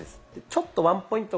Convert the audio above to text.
ちょっとワンポイント